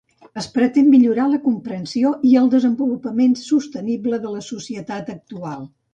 Es pretén millorar la comprensió i el desenvolupament sostenible de la societat actual.